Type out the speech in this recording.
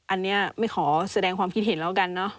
อันนี้ไม่ขอแสดงความคิดเห็นแล้วกันเนอะ